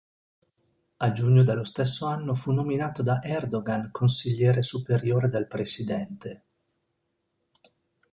A giugno dello stesso anno fu nominato da Erdoğan consigliere superiore del presidente.